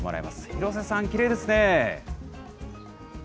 廣瀬さん、きれいですね。